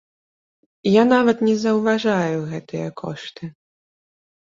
Я нават не заўважаю гэтыя кошты.